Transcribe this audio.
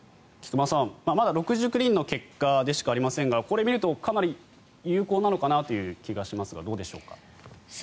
菊間さん、まだ６９人の結果でしかありませんがこれを見るとかなり有効なのかなという気がしますがどうでしょうか？